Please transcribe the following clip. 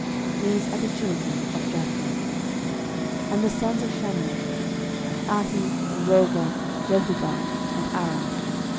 These are the children of Japhlet. 13:007:034 And the sons of Shamer; Ahi, and Rohgah, Jehubbah, and Aram.